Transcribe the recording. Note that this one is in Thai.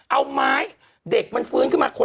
เอาไม้เด็กมันฟื้นขึ้นมาคน